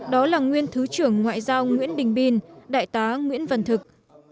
đó là nguyên thứ trưởng ngoại giao nguyễn đình bin đại tá nguyễn văn thực